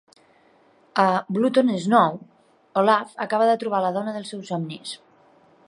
A "Blood on Snow", Olav acaba de trobar la dona dels seus somnis.